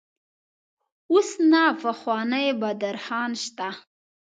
اوس نه پخوانی بادر خان شته.